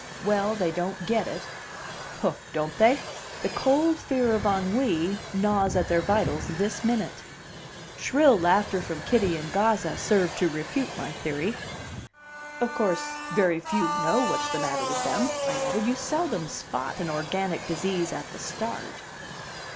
"Well, they don't get it." "Ho, don't they?" "The cold fear of ennui gnaws at their vitals this minute." Shrill laughter from Kitty and Gazza served to refute my theory. "Of course, very few know what's the matter with them," I added. "You seldom spot an organic disease at the start."